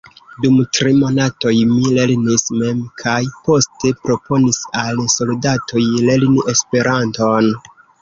Dum tri monatoj mi lernis mem kaj poste proponis al soldatoj lerni Esperanton.